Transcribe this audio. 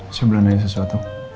aku mau tanya sesuatu